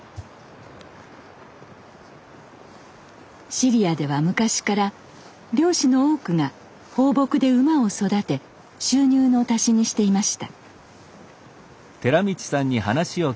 尻屋では昔から漁師の多くが放牧で馬を育て収入の足しにしていました。